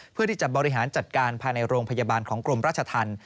เพื่อที่จะบริหารจัดการภายในโรงพยาบาลของกรมราชธรรม